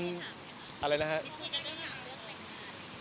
ยังไม่ได้ถามครับ